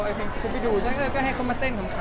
ไอ้เพลงคุณไปดูก็ให้เขามาเต้นขำน่ารัก